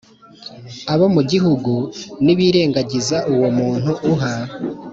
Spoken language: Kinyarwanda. Abo mu gihugu nibirengagiza uwo muntu uha